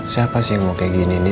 siapa sih yang mau kayak gini nih